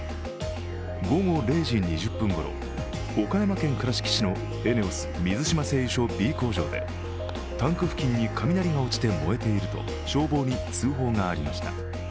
午後０時２０分ごろ、岡山県倉敷市のＥＮＥＯＳ水島製油所Ｂ工場で、タンク付近に雷が落ちて燃えていると消防に通報がありました。